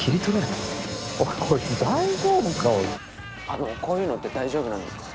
あのこういうのって大丈夫なんですか？